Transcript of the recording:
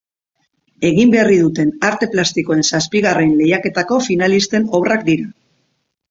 Egin berri duten arte plastikoen zazpigarren lehiaketako finalisten obrak dira.